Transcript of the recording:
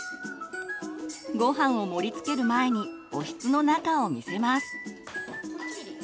ごはんを盛りつける前におひつの中を見せます。